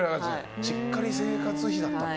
しっかり生活費だったんだ。